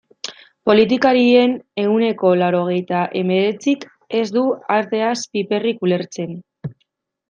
Politikarien ehuneko laurogeita hemeretzik ez du arteaz piperrik ulertzen.